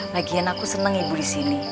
lagian aku seneng ibu di sini